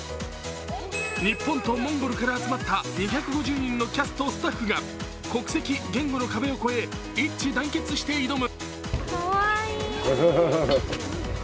日本とモンゴルから集まった２５０人のキャスト・スタッフが国籍・言語の壁を越え一致団結して挑む。